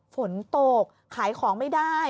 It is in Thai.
ฝนตกขายของไม่ได้